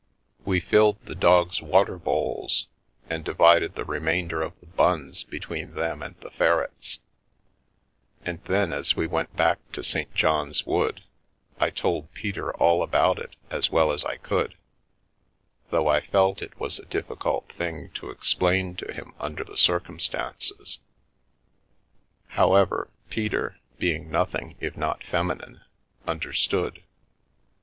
We filled the dogs' water bowls and divided the re mainder of the buns between them and the ferrets ; and then, as we went back to St. John's Wood, I told Peter all about it as well as I could, though I felt it was a diffi cult thing to explain to him under the circumstances. However, Peter, being nothing if not feminine, under stood.